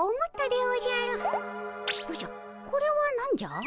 おじゃこれは何じゃ？